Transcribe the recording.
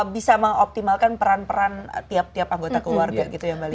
bisa mengoptimalkan peran peran tiap tiap anggota keluarga gitu ya mbak lia